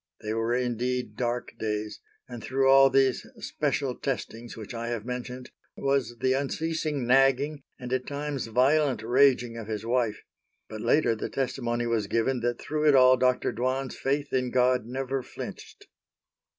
They were indeed dark days, and through all these special testings which I have mentioned, was the unceasing nagging and at times violent raging of his wife; but later the testimony was given that through it all Dr. Dwan's faith in God never flinched.